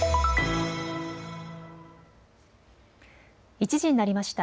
１時になりました。